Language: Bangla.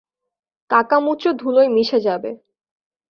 কাকামুচো ধুলোয় মিশে যাবে।